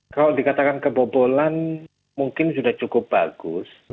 kalau dikatakan kebobolan mungkin sudah cukup bagus